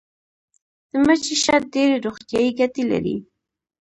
د مچۍ شات ډیرې روغتیایي ګټې لري